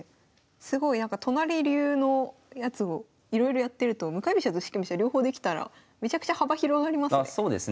すごい都成流のやつをいろいろやってると向かい飛車と四間飛車両方できたらめちゃくちゃ幅広がりますね。